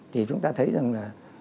thì chúng ta thấy rằng là